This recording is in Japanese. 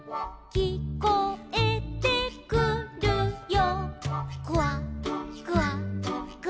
「きこえてくるよ」